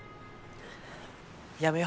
やめよ。